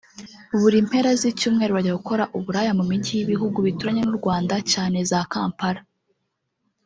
buri mpera z’icyumweru bajya gukora ubulaya mu mijyi y’ibihugu bituranye n’u Rwanda cyane za Kampala